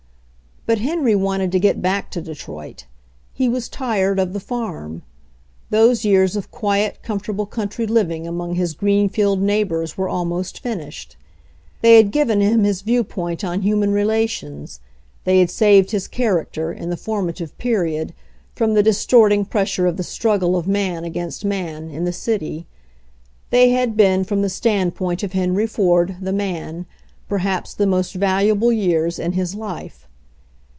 But Henry wanted to get back to Detroit. He was tired of the farm. Those years of quiet, comfortable country living among his Greenfield neighbors were almost finished. They had given him his viewpoint on human relations, they had saved his character, in the formative period, from the distorting pressure of the struggle of man against man in the city. They had been, from the standpoint of Henry Ford, the man, perhaps the most valuable years in his life.